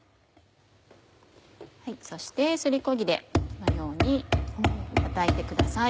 そしてすりこぎでこのようにたたいてください。